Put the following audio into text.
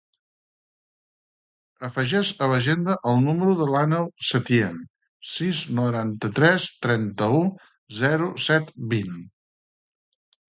Afegeix a l'agenda el número de l'Àneu Setien: sis, noranta-tres, trenta-u, zero, set, vint.